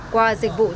qua dịch vụ đăng kiểm